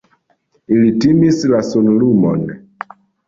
Ili timis la sunlumon.